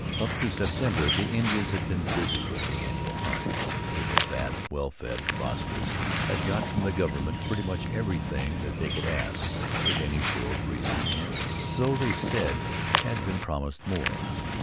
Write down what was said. Up to September the Indians had been busy with the annual hunt. They were fat, well fed, prosperous, had got from the government pretty much everything that they could ask with any show of reason and, so they said, had been promised more.